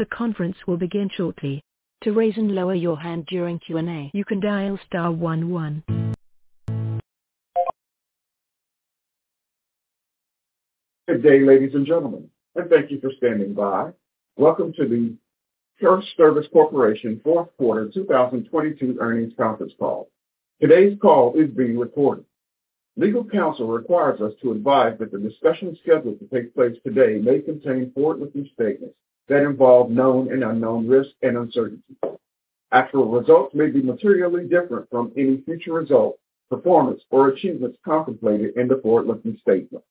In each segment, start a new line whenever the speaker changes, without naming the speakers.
The conference will begin shortly. To raise and lower your hand during Q&A, you can dial star one one. Good day, ladies and gentlemen, thank you for standing by. Welcome to the FirstService Corporation Fourth Quarter 2022 Earnings Conference Call. Today's call is being recorded. Legal counsel requires us to advise that the discussion scheduled to take place today may contain forward-looking statements that involve known and unknown risks and uncertainties. Actual results may be materially different from any future results, performance, or achievements contemplated in the forward-looking statements.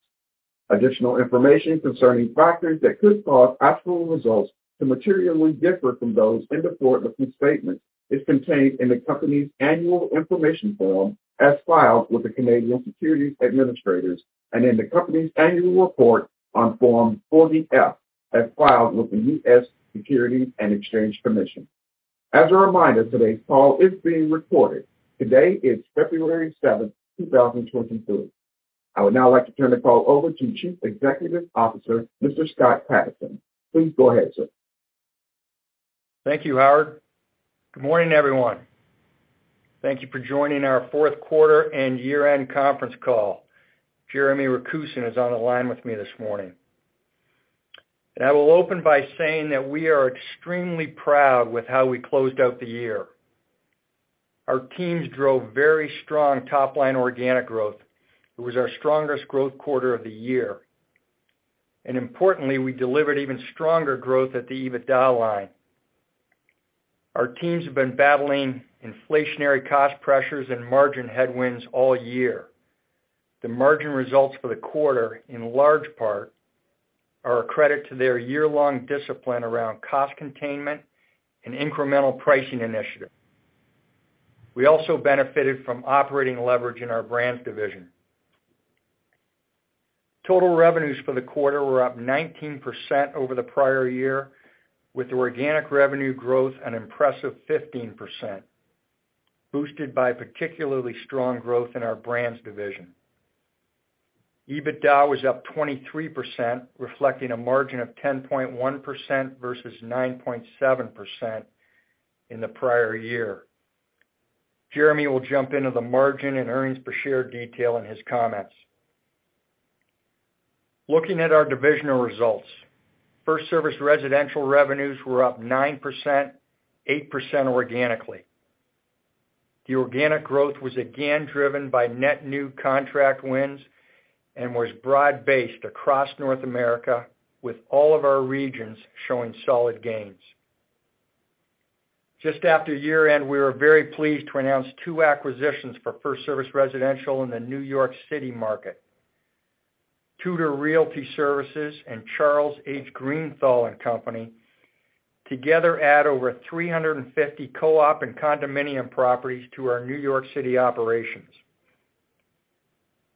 Additional information concerning factors that could cause actual results to materially differ from those in the forward-looking statements is contained in the company's annual information form as filed with the Canadian Securities Administrators and in the company's annual report on Form 40-F as filed with the U.S. Securities and Exchange Commission. As a reminder, today's call is being recorded. Today is February seventh, 2023. I would now like to turn the call over to Chief Executive Officer, Mr. Scott Patterson. Please go ahead, sir.
Thank you, Howard. Good morning, everyone. Thank you for joining our fourth quarter and year-end conference call. Jeremy Rakusen is on the line with me this morning. I will open by saying that we are extremely proud with how we closed out the year. Our teams drove very strong top-line organic growth. It was our strongest growth quarter of the year. Importantly, we delivered even stronger growth at the EBITDA line. Our teams have been battling inflationary cost pressures and margin headwinds all year. The margin results for the quarter, in large part, are a credit to their year-long discipline around cost containment and incremental pricing initiatives. We also benefited from operating leverage in our Brands division. Total revenues for the quarter were up 19% over the prior year, with organic revenue growth an impressive 15%, boosted by particularly strong growth in our Brands division. EBITDA was up 23%, reflecting a margin of 10.1% versus 9.7% in the prior year. Jeremy will jump into the margin and EPS detail in his comments. Looking at our divisional results. FirstService Residential revenues were up 9%, 8% organically. The organic growth was again driven by net new contract wins and was broad-based across North America with all of our regions showing solid gains. Just after year-end, we were very pleased to announce two acquisitions for FirstService Residential in the New York City market. Tudor Realty Services and Charles H. Greenthal & Company together add over 350 co-op and condominium properties to our New York City operations.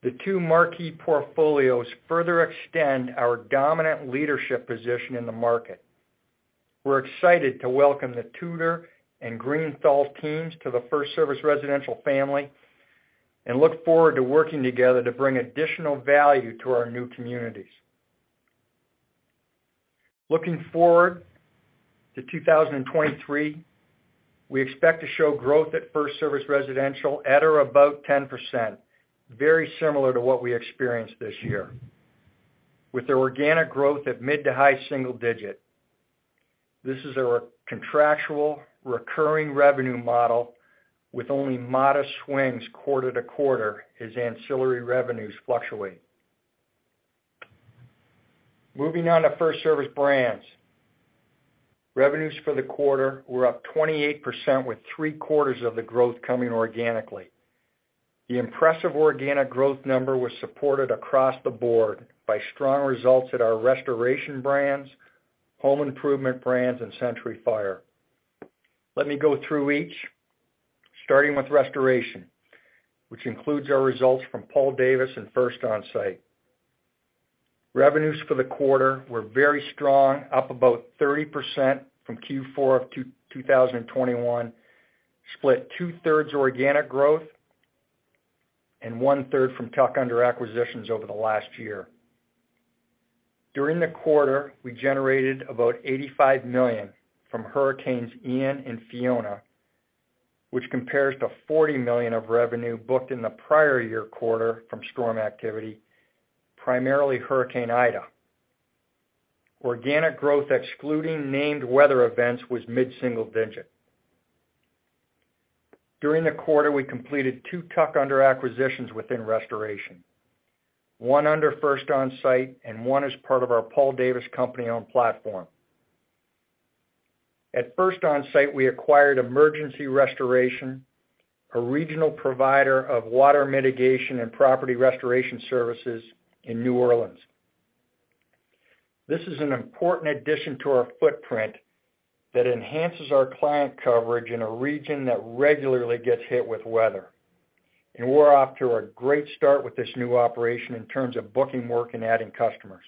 The two marquee portfolios further extend our dominant leadership position in the market. We're excited to welcome the Tudor and Greenthal teams to the FirstService Residential family and look forward to working together to bring additional value to our new communities. Looking forward to 2023, we expect to show growth at FirstService Residential at or above 10%, very similar to what we experienced this year, with the organic growth at mid to high single digit. This is a contractual recurring revenue model with only modest swings quarter-to-quarter as ancillary revenues fluctuate. Moving on to FirstService Brands. Revenues for the quarter were up 28% with three-quarters of the growth coming organically. The impressive organic growth number was supported across the board by strong results at our restoration brands, home improvement brands, and Century Fire. Let me go through each, starting with restoration, which includes our results from Paul Davis and First Onsite. Revenues for the quarter were very strong, up about 30% from Q4 of 2021, split two-thirds organic growth and one-third from tuck under acquisitions over the last year. During the quarter, we generated about $85 million from Hurricanes Ian and Fiona, which compares to $40 million of revenue booked in the prior year quarter from storm activity, primarily Hurricane Ida. Organic growth excluding named weather events was mid-single digit. During the quarter, we completed two tuck under acquisitions within restoration, one under First Onsite and one as part of our Paul Davis company-owned platform. At First Onsite, we acquired Emergency Restoration, a regional provider of water mitigation and property restoration services in New Orleans. This is an important addition to our footprint that enhances our client coverage in a region that regularly gets hit with weather. We're off to a great start with this new operation in terms of booking work and adding customers.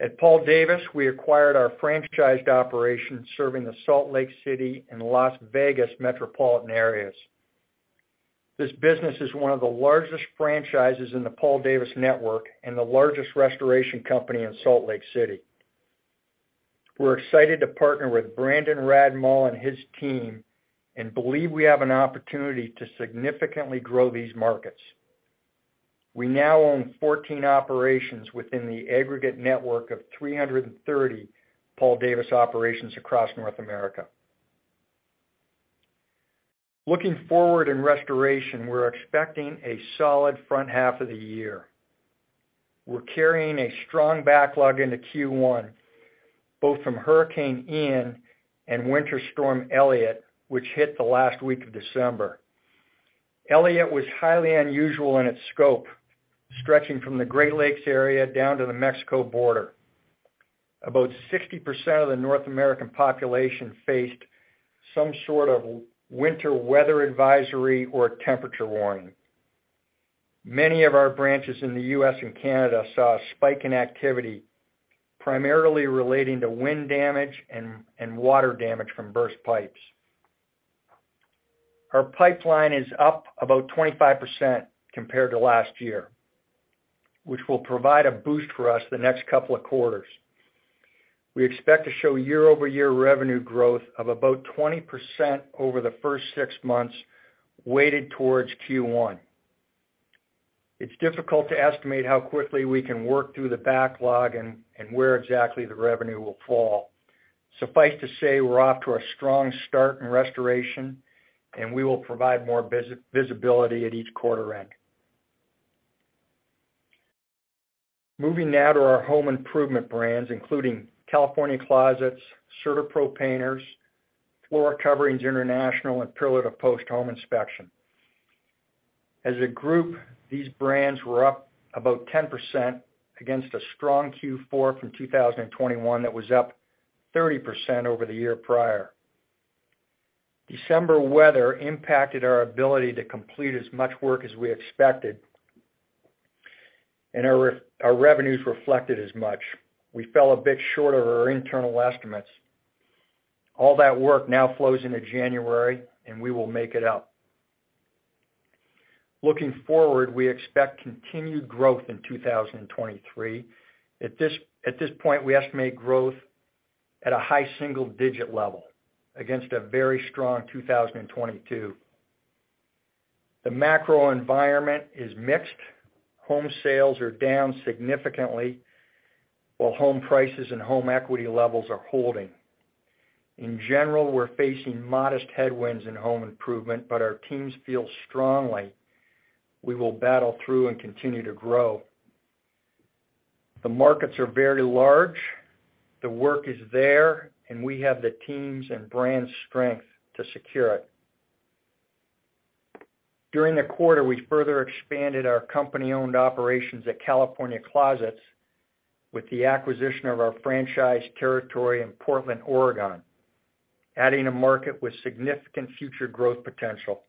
At Paul Davis, we acquired our franchised operation serving the Salt Lake City and Las Vegas metropolitan areas. This business is one of the largest franchises in the Paul Davis network and the largest restoration company in Salt Lake City. We're excited to partner with Brandon Radmall and his team, and believe we have an opportunity to significantly grow these markets. We now own 14 operations within the aggregate network of 330 Paul Davis operations across North America. Looking forward in restoration, we're expecting a solid front half of the year. We're carrying a strong backlog into Q1, both from Hurricane Ian and Winter Storm Elliott, which hit the last week of December. Elliott was highly unusual in its scope, stretching from the Great Lakes area down to the Mexico border. About 60% of the North American population faced some sort of winter weather advisory or temperature warning. Many of our branches in the U.S. and Canada saw a spike in activity, primarily relating to wind damage and water damage from burst pipes. Our pipeline is up about 25% compared to last year, which will provide a boost for us the next couple of quarters. We expect to show year-over-year revenue growth of about 20% over the first six months, weighted towards Q1. It's difficult to estimate how quickly we can work through the backlog and where exactly the revenue will fall. Suffice to say, we're off to a strong start in restoration, and we will provide more visibility at each quarter end. Moving now to our home improvement brands, including California Closets, CertaPro Painters, Floor Coverings International, and Pillar To Post Home Inspection. As a group, these brands were up about 10% against a strong Q4 from 2021 that was up 30% over the year prior. December weather impacted our ability to complete as much work as we expected, and our revenues reflected as much. We fell a bit short of our internal estimates. All that work now flows into January, and we will make it up. Looking forward, we expect continued growth in 2023. At this point, we estimate growth at a high single-digit level against a very strong 2022. The macro environment is mixed. Home sales are down significantly, while home prices and home equity levels are holding. In general, we're facing modest headwinds in home improvement. Our teams feel strongly we will battle through and continue to grow. The markets are very large, the work is there. We have the teams and brand strength to secure it. During the quarter, we further expanded our company-owned operations at California Closets with the acquisition of our franchise territory in Portland, Oregon, adding a market with significant future growth potential.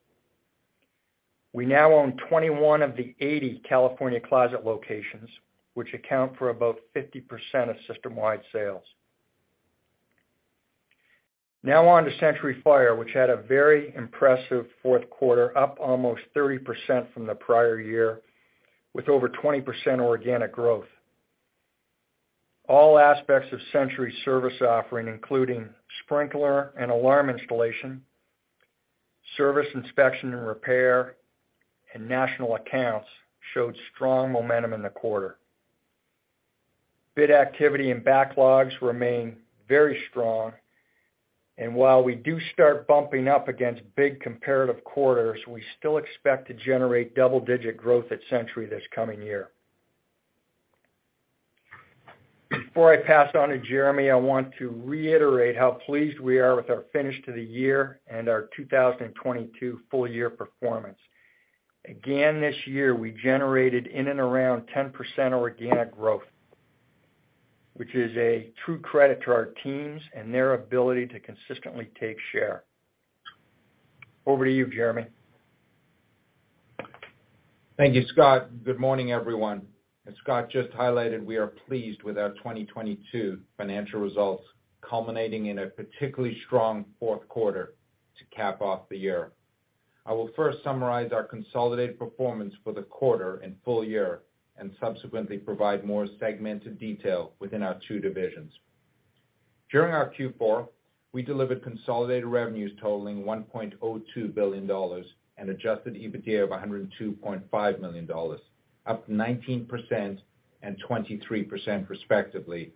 We now own 21 of the 80 California Closet locations, which account for about 50% of system-wide sales. On to Century Fire, which had a very impressive fourth quarter, up almost 30% from the prior year with over 20% organic growth. All aspects of Century's service offering, including sprinkler and alarm installation, service inspection and repair, and national accounts, showed strong momentum in the quarter. Bid activity and backlogs remain very strong, and while we do start bumping up against big comparative quarters, we still expect to generate double-digit growth at Century this coming year. Before I pass on to Jeremy, I want to reiterate how pleased we are with our finish to the year and our 2022 full year performance. Again, this year, we generated in and around 10% organic growth, which is a true credit to our teams and their ability to consistently take share. Over to you, Jeremy.
Thank you, Scott. Good morning, everyone. As Scott just highlighted, we are pleased with our 2022 financial results, culminating in a particularly strong fourth quarter to cap off the year. I will first summarize our consolidated performance for the quarter and full year, and subsequently provide more segmented detail within our two divisions. During our Q4, we delivered consolidated revenues totaling $1.02 billion an Adjusted EBITDA of $102.5 million, up 19% and 23% respectively,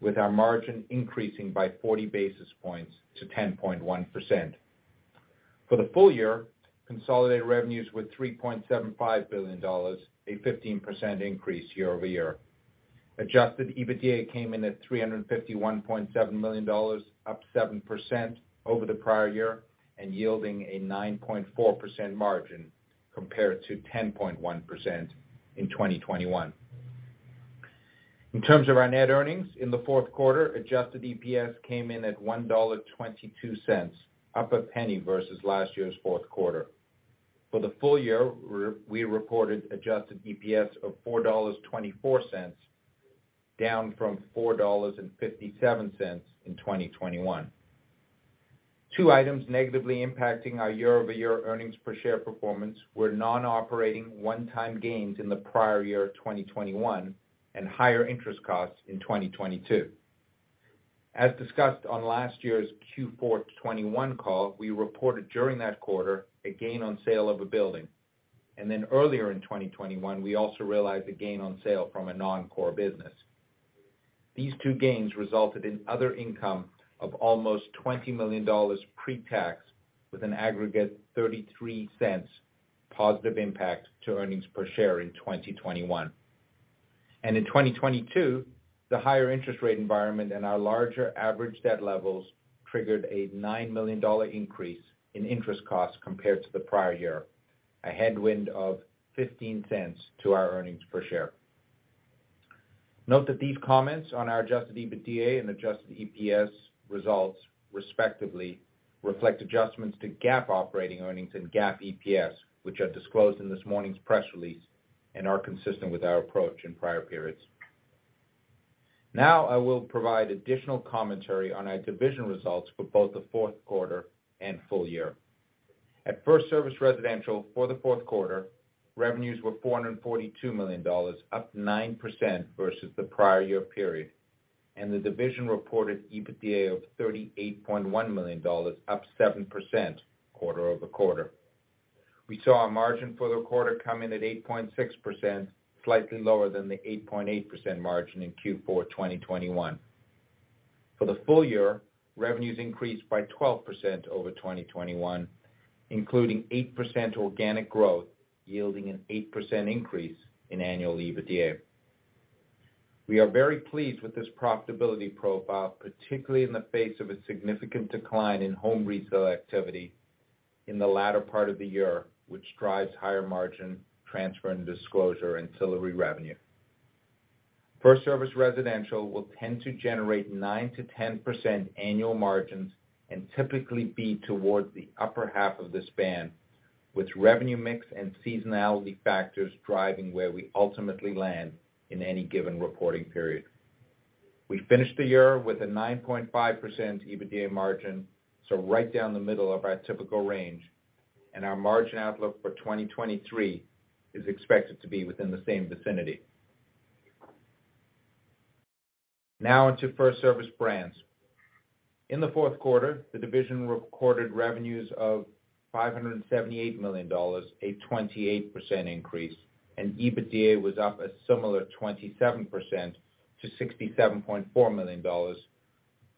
with our margin increasing by 40 basis points to 10.1%. For the full year, consolidated revenues were $3.75 billion, a 15% increase year-over-year. Adjusted EBITDA came in at $351.7 million, up 7% over the prior year and yielding a 9.4% margin compared to 10.1% in 2021. In terms of our net earnings, in the fourth quarter, Adjusted EPS came in at $1.22, up a penny versus last year's fourth quarter. For the full year, we reported adjusted EPS of $4.24. Down from $4.57 in 2021. Two items negatively impacting our year-over-year earnings per share performance were non-operating one-time gains in the prior year 2021 and higher interest costs in 2022. As discussed on last year's Q4 2021 call, we reported during that quarter a gain on sale of a building. Earlier in 2021, we also realized a gain on sale from a non-core business. These two gains resulted in other income of almost $20 million pre-tax with an aggregate $0.33 positive impact to earnings per share in 2021. In 2022, the higher interest rate environment and our larger average debt levels triggered a $9 million increase in interest costs compared to the prior year, a headwind of $0.15 to our earnings per share. Note that these comments on our Adjusted EBITDA and Adjusted EPS results, respectively, reflect adjustments to GAAP operating earnings and GAAP EPS, which are disclosed in this morning's press release and are consistent with our approach in prior periods. I will provide additional commentary on our division results for both the fourth quarter and full year. At FirstService Residential for the fourth quarter, revenues were $442 million, up 9% versus the prior year period, and the division reported EBITDA of $38.1 million, up 7% quarter over quarter. We saw our margin for the quarter come in at 8.6%, slightly lower than the 8.8% margin in Q4 2021. For the full year, revenues increased by 12% over 2021, including 8% organic growth, yielding an 8% increase in annual EBITDA. We are very pleased with this profitability profile, particularly in the face of a significant decline in home resale activity in the latter part of the year, which drives higher margin transfer and disclosure ancillary revenue. FirstService Residential will tend to generate 9%-10% annual margins and typically be towards the upper half of the span, with revenue mix and seasonality factors driving where we ultimately land in any given reporting period. We finished the year with a 9.5% EBITDA margin, so right down the middle of our typical range, and our margin outlook for 2023 is expected to be within the same vicinity. Now on to FirstService Brands. In the fourth quarter, the division recorded revenues of $578 million, a 28% increase, and EBITDA was up a similar 27% to $67.4 million,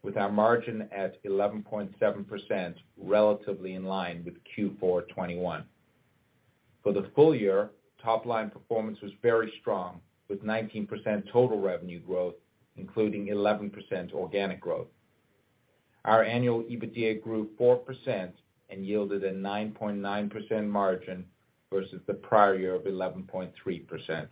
with our margin at 11.7%, relatively in line with Q4 2021. For the full year, top line performance was very strong, with 19% total revenue growth, including 11% organic growth. Our annual EBITDA grew 4% and yielded a 9.9% margin versus the prior year of 11.3%.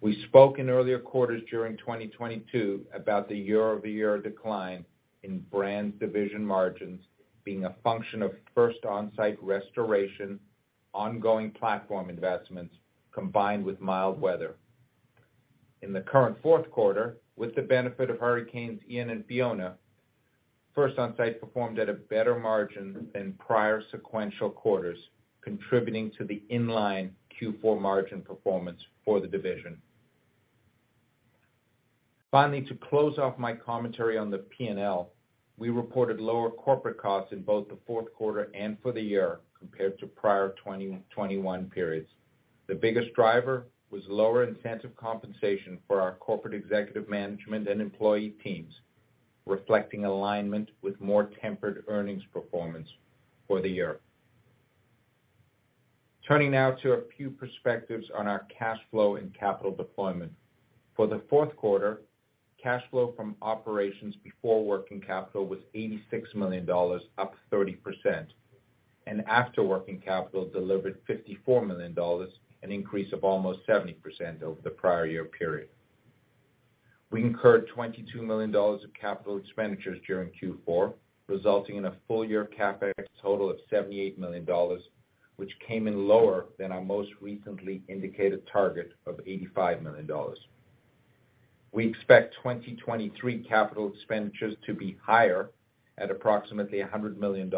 We spoke in earlier quarters during 2022 about the year-over-year decline in Brands division margins being a function of First Onsite restoration, ongoing platform investments, combined with mild weather. In the current fourth quarter, with the benefit of hurricanes Ian and Fiona, First Onsite performed at a better margin than prior sequential quarters, contributing to the in-line Q4 margin performance for the division. Finally, to close off my commentary on the P&L, we reported lower corporate costs in both the fourth quarter and for the year compared to prior 2021 periods. The biggest driver was lower incentive compensation for our corporate executive management and employee teams, reflecting alignment with more tempered earnings performance for the year. Turning now to a few perspectives on our cash flow and capital deployment. For the fourth quarter, cash flow from operations before working capital was $86 million, up 30%, and after working capital delivered $54 million, an increase of almost 70% over the prior year period. We incurred $22 million of capital expenditures during Q4, resulting in a full year CapEx total of $78 million, which came in lower than our most recently indicated target of $85 million. We expect 2023 capital expenditures to be higher at approximately $100 million,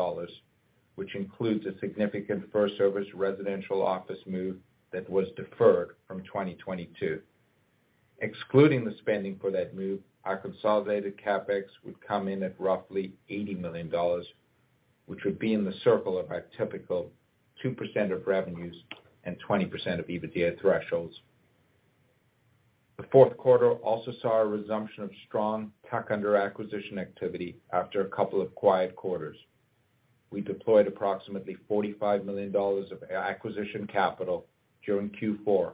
which includes a significant FirstService Residential office move that was deferred from 2022. Excluding the spending for that move, our consolidated CapEx would come in at roughly $80 million, which would be in the circle of our typical 2% of revenues and 20% of EBITDA thresholds. The fourth quarter also saw a resumption of strong tuck-under acquisition activity after a couple of quiet quarters. We deployed approximately $45 million of acquisition capital during Q4,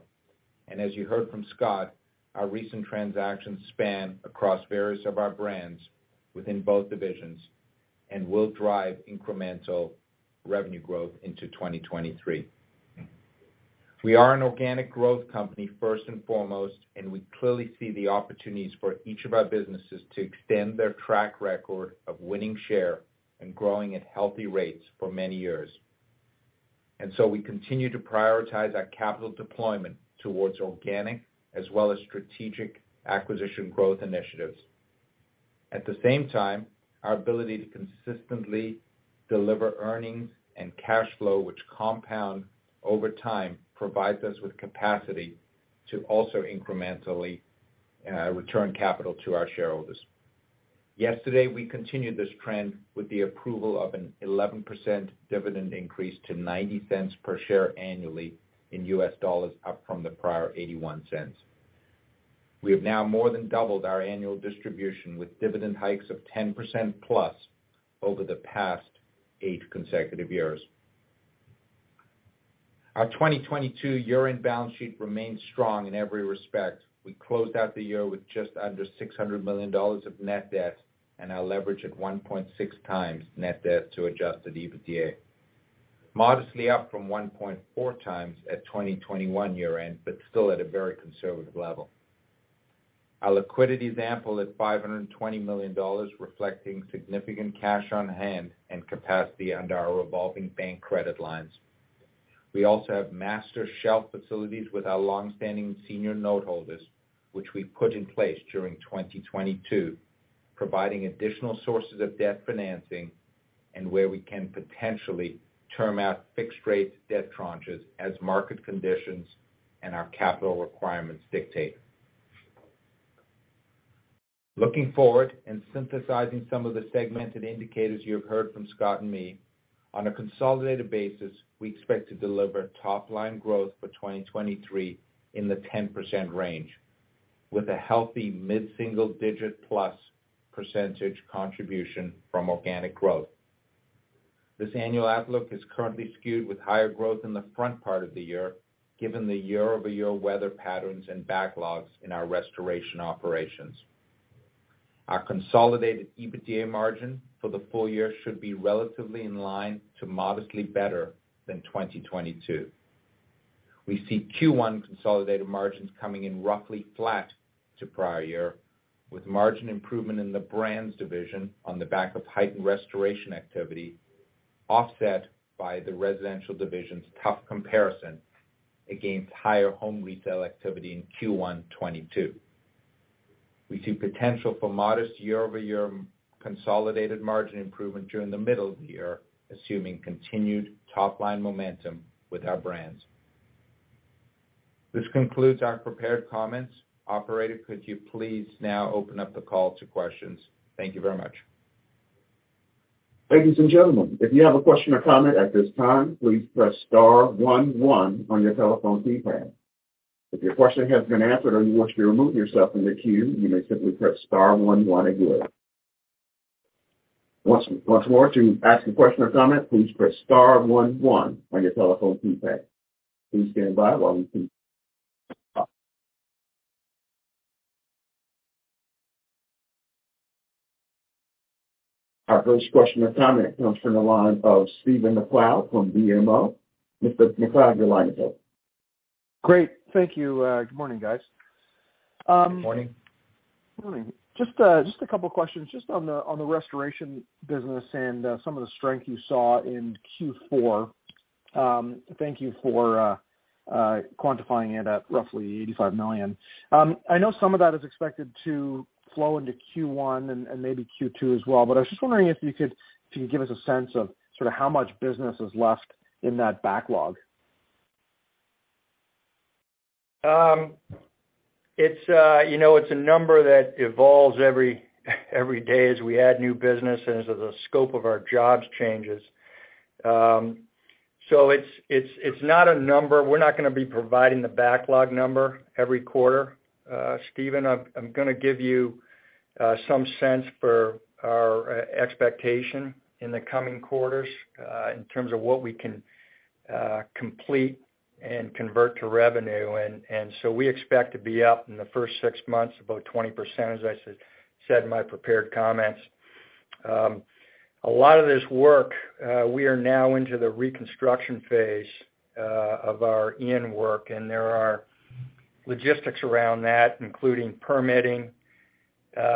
as you heard from Scott, our recent transactions span across various of our brands within both divisions and will drive incremental revenue growth into 2023. We are an organic growth company first and foremost, and we clearly see the opportunities for each of our businesses to extend their track record of winning share and growing at healthy rates for many years. So we continue to prioritize our capital deployment towards organic as well as strategic acquisition growth initiatives. At the same time, our ability to consistently deliver earnings and cash flow, which compound over time, provides us with capacity to also incrementally return capital to our shareholders. Yesterday, we continued this trend with the approval of an 11% dividend increase to $0.90 per share annually in U.S. dollars, up from the prior $0.81. We have now more than doubled our annual distribution with dividend hikes of 10%+ over the past eight consecutive years. Our 2022 year-end balance sheet remains strong in every respect. We closed out the year with just under $600 million of net debt and our leverage at 1.6x net debt to Adjusted EBITDA, modestly up from 1.4x at 2021 year-end, but still at a very conservative level. Our liquidity is ample at $520 million, reflecting significant cash on hand and capacity under our revolving bank credit lines. We also have master shelf facilities with our long-standing senior note holders, which we put in place during 2022, providing additional sources of debt financing and where we can potentially term out fixed rate debt tranches as market conditions and our capital requirements dictate. Looking forward and synthesizing some of the segmented indicators you have heard from Scott and me, on a consolidated basis, we expect to deliver top line growth for 2023 in the 10% range, with a healthy mid-single digit plus percentage contribution from organic growth. This annual outlook is currently skewed with higher growth in the front part of the year, given the year-over-year weather patterns and backlogs in our restoration operations. Our consolidated EBITDA margin for the full year should be relatively in line to modestly better than 2022. We see Q1 consolidated margins coming in roughly flat to prior year, with margin improvement in the Brands division on the back of heightened restoration activity, offset by the Residential division's tough comparison against higher home retail activity in Q1 2022. We see potential for modest year-over-year consolidated margin improvement during the middle of the year, assuming continued top-line momentum with our Brands. This concludes our prepared comments. Operator, could you please now open up the call to questions? Thank you very much.
Ladies and gentlemen, if you have a question or comment at this time, please press star one one on your telephone keypad. If your question has been answered or you wish to remove yourself from the queue, you may simply press star one one again. Once more, to ask a question or comment, please press star one one on your telephone keypad. Please stand by while we. Our first question or comment comes from the line of Stephen MacLeod from BMO. Mr. MacLeod, your line is open.
Great. Thank you. Good morning, guys.
Good morning.
Morning. Just a couple of questions just on the restoration business and some of the strength you saw in Q4. Thank you for quantifying it at roughly $85 million. I know some of that is expected to flow into Q1 and maybe Q2 as well. I was just wondering if you could give us a sense of sort of how much business is left in that backlog.
It's, you know, it's a number that evolves every day as we add new business and as the scope of our jobs changes. So it's not a number. We're not gonna be providing the backlog number every quarter, Stephen. I'm gonna give you some sense for our expectation in the coming quarters in terms of what we can complete and convert to revenue. So we expect to be up in the first six months about 20%, as I said in my prepared comments. A lot of this work, we are now into the reconstruction phase of our Hurricane Ian work, and there are logistics around that, including permitting,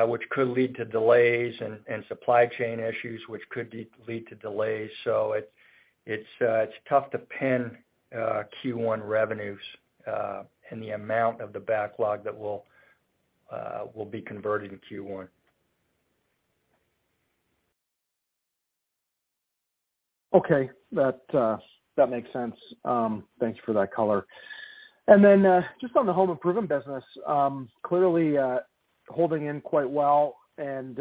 which could lead to delays and supply chain issues, which could lead to delays. It's tough to pin Q1 revenues and the amount of the backlog that will be converted in Q1.
Okay. That, that makes sense. Thanks for that color. Then, just on the home improvement business, clearly, holding in quite well and,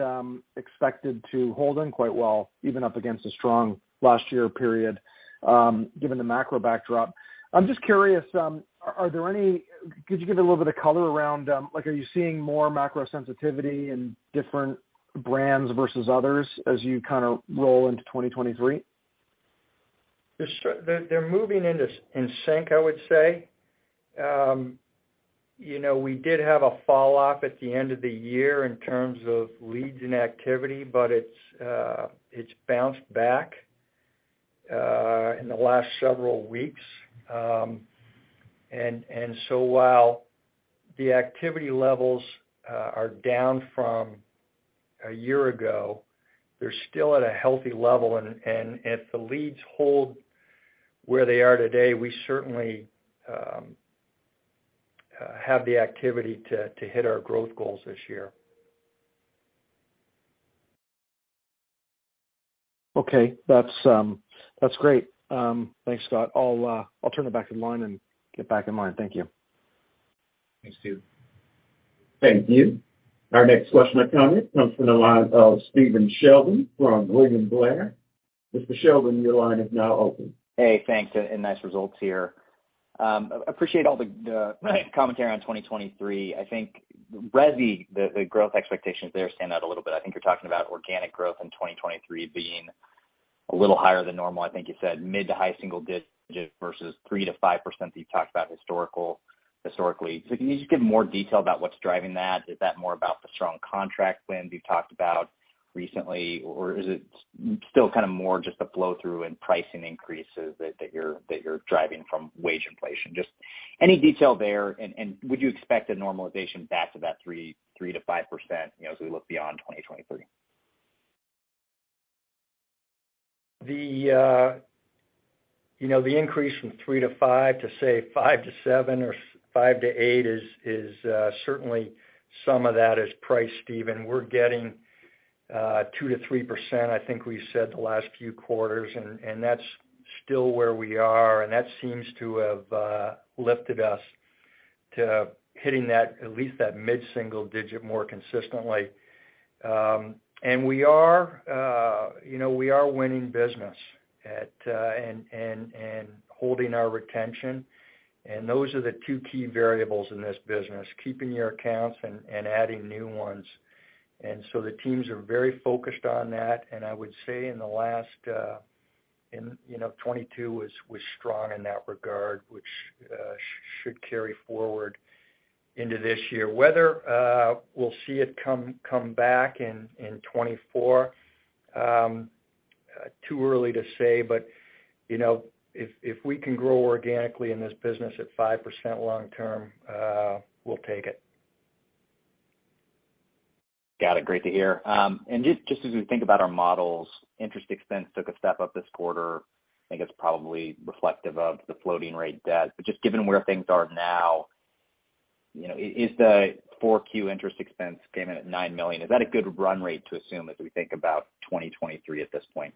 expected to hold in quite well even up against a strong last year period, given the macro backdrop. I'm just curious, Could you give a little bit of color around, like are you seeing more macro sensitivity in different brands versus others as you kinda roll into 2023?
They're moving in sync, I would say. you know, we did have a fall off at the end of the year in terms of leads and activity, but it's bounced back in the last several weeks. while the activity levels are down from. A year ago, they're still at a healthy level, and if the leads hold where they are today, we certainly have the activity to hit our growth goals this year.
Okay. That's great. Thanks, Scott. I'll turn it back in line and get back in line. Thank you.
Thanks, Steve.
Thank you. Our next question, I tell you, comes from the line of Stephen Sheldon from William Blair. Mr. Sheldon, your line is now open.
Thanks, nice results here. Appreciate all the commentary on 2023. I think Resi, the growth expectations there stand out a little bit. I think you're talking about organic growth in 2023 being a little higher than normal. I think you said mid-to-high single-digit versus 3%-5% that you've talked about historically. Can you just give more detail about what's driving that? Is that more about the strong contract wins you've talked about recently, or is it still kind of more just a flow through in pricing increases that you're driving from wage inflation? Just any detail there. Would you expect a normalization back to that 3%-5%, you know, as we look beyond 2023?
The, you know, the increase from 3 to 5 to, say, 5 to 7 or 5 to 8 is certainly some of that is price, Stephen. We're getting 2%-3%, I think we said the last few quarters, and that's still where we are, and that seems to have lifted us to hitting that, at least that mid-single digit more consistently. We are, you know, we are winning business at and holding our retention. Those are the two key variables in this business, keeping your accounts and adding new ones. The teams are very focused on that. I would say in the last, in, you know, 2022 was strong in that regard, which should carry forward into this year. Whether we'll see it come back in 2024, too early to say. You know, if we can grow organically in this business at 5% long term, we'll take it.
Got it. Great to hear. Just as we think about our models, interest expense took a step up this quarter. I think it's probably reflective of the floating rate debt. Just given where things are now, you know, is the 4Q interest expense came in at $9 million, is that a good run rate to assume as we think about 2023 at this point?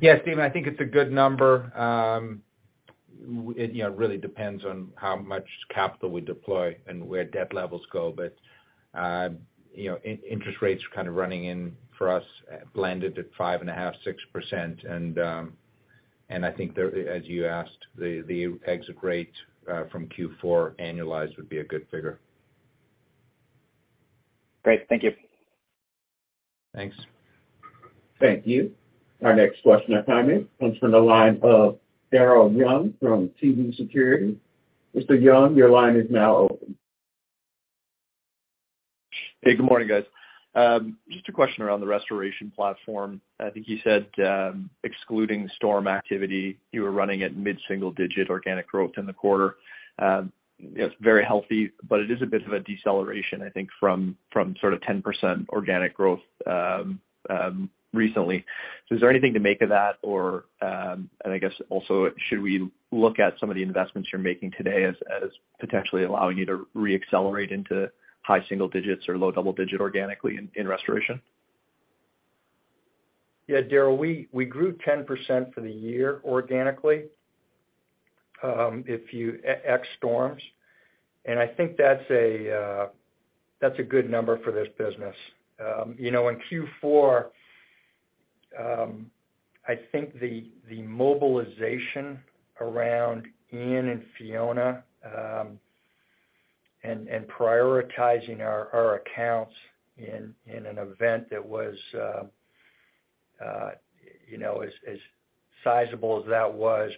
Yeah, Stephen, I think it's a good number. It, you know, really depends on how much capital we deploy and where debt levels go. You know, interest rates are kind of running in for us blended at 5.5%, 6%. I think there, as you asked, the exit rate from Q4 annualized would be a good figure.
Great. Thank you.
Thanks.
Thank you. Our next question, I tell you, comes from the line of Daryl Young from TD Securities. Mr. Young, your line is now open.
Hey, good morning, guys. Just a question around the restoration platform. I think you said, excluding storm activity, you were running at mid-single digit organic growth in the quarter. It's very healthy, but it is a bit of a deceleration, I think, from sort of 10% organic growth, recently. Is there anything to make of that? And I guess also, should we look at some of the investments you're making today as potentially allowing you to re-accelerate into high single digits or low double digit organically in restoration?
Yeah, Daryl, we grew 10% for the year organically, if you ex storms. I think that's a good number for this business. You know, in Q4, I think the mobilization around Ian and Fiona, and prioritizing our accounts in an event that was, you know, as sizable as that was,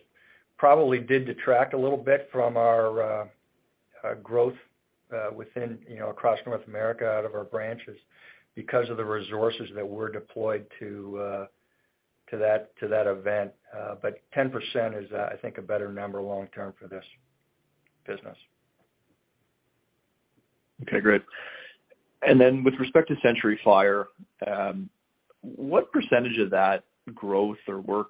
probably did detract a little bit from our growth within, you know, across North America, out of our branches because of the resources that were deployed to that event. 10% is, I think, a better number long term for this business.
Okay, great. With respect to Century Fire, what % of that growth or work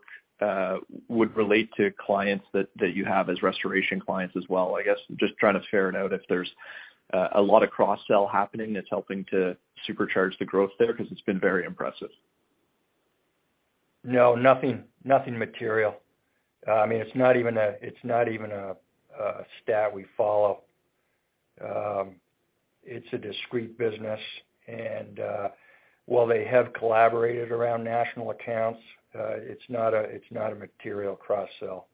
would relate to clients that you have as restoration clients as well? I guess just trying to ferret out if there's a lot of cross-sell happening that's helping to supercharge the growth there 'cause it's been very impressive.
No, nothing material. I mean, it's not even a stat we follow. It's a discrete business. While they have collaborated around national accounts, it's not a, it's not a material cross-sell.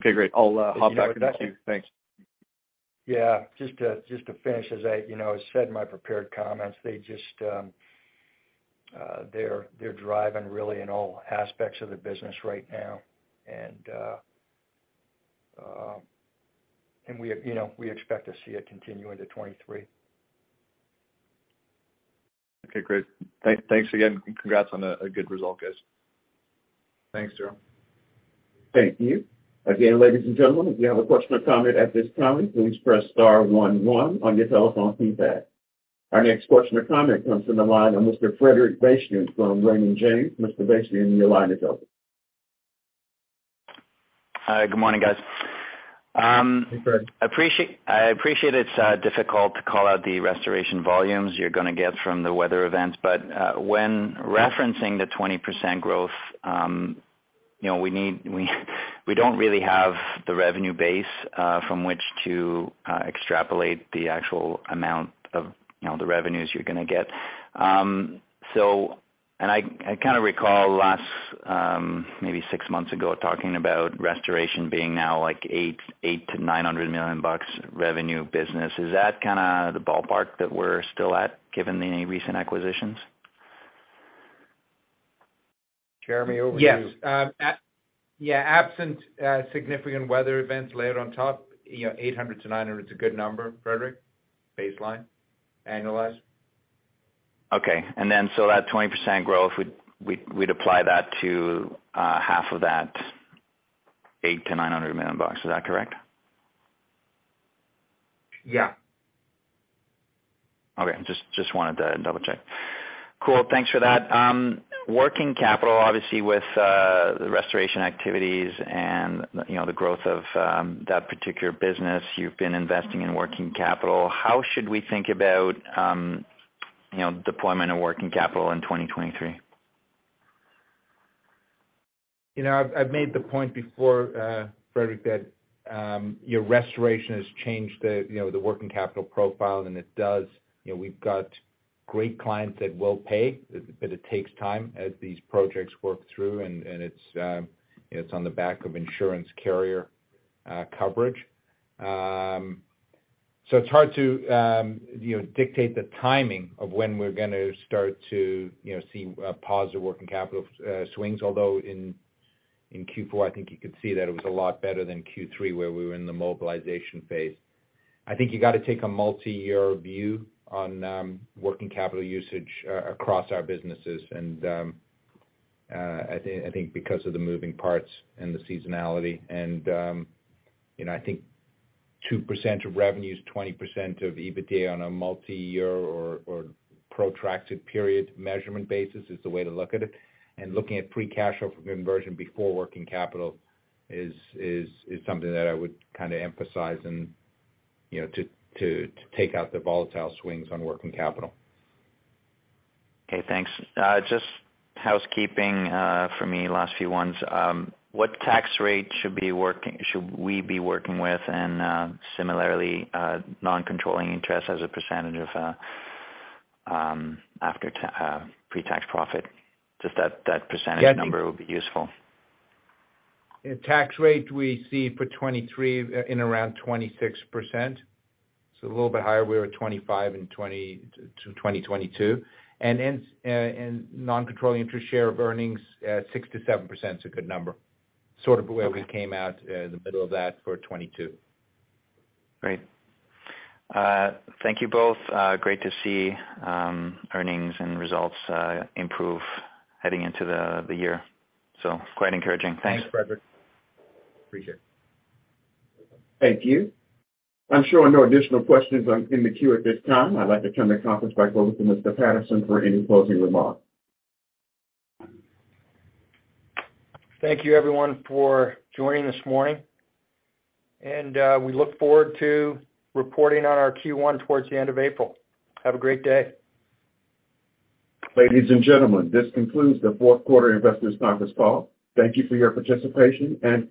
Okay, great. I'll hop back in the queue. Thanks.
Yeah. Just to finish, as I, you know, said in my prepared comments, they just, they're driving really in all aspects of the business right now. We, you know, we expect to see it continue into 2023.
Okay, great. Thanks again, and congrats on a good result, guys.
Thanks, Daryl.
Thank you. Again, ladies and gentlemen, if you have a question or comment at this time, please press star one one on your telephone keypad. Our next question or comment comes from the line of Mr. Frederic Bastien from Raymond James. Mr. Bastien, your line is open.
Hi, good morning, guys.
Hey, Fred.
I appreciate it's difficult to call out the restoration volumes you're gonna get from the weather events, when referencing the 20% growth, you know, we don't really have the revenue base, from which to extrapolate the actual amount of, you know, the revenues you're gonna get. I kinda recall last, maybe six months ago, talking about restoration being now like $800 million-$900 million revenue business. Is that kinda the ballpark that we're still at given the recent acquisitions?
Jeremy, over to you.
Yes. Absent significant weather events layered on top, you know, 800 to 900's a good number, Frederic, baseline, annualized.
Okay. that 20% growth, we'd apply that to half of that $800 million-$900 million. Is that correct?
Yeah.
Okay, just wanted to double-check. Cool. Thanks for that. Working capital, obviously, with the restoration activities and, you know, the growth of that particular business, you've been investing in working capital, how should we think about, you know, deployment of working capital in 2023?
You know, I've made the point before, Frederic, that your restoration has changed the, you know, the working capital profile, and it does. You know, we've got great clients that will pay, but it takes time as these projects work through, and it's on the back of insurance carrier coverage. It's hard to, you know, dictate the timing of when we're gonna start to, you know, see positive working capital swings, although in Q4, I think you could see that it was a lot better than Q3, where we were in the mobilization phase. I think you gotta take a multi-year view on working capital usage across our businesses. I think because of the moving parts and the seasonality and, you know, I think 2% of revenue is 20% of EBITDA on a multi-year or protracted period measurement basis is the way to look at it. Looking at pre-cash conversion before working capital is something that I would kinda emphasize and, you know, to take out the volatile swings on working capital.
Okay, thanks. Just housekeeping for me, last few ones. What tax rate should we be working with and, similarly, non-controlling interest as a % of pre-tax profit? Just that % number would be useful.
Yeah, tax rate we see for 2023 in around 26%, so a little bit higher. We were at 25 in 2022. In non-controlling interest share of earnings, 6%-7%'s a good number, sort of where we came out the middle of that for 2022.
Great. Thank you both. Great to see, earnings and results, improve heading into the year. Quite encouraging. Thanks.
Thanks, Frederic. Appreciate it.
Thank you. I'm showing no additional questions in the queue at this time. I'd like to turn the conference back over to Mr. Patterson for any closing remarks.
Thank you, everyone, for joining this morning. We look forward to reporting on our Q1 towards the end of April. Have a great day.
Ladies and gentlemen, this concludes the fourth quarter investors conference call. Thank you for your participation and-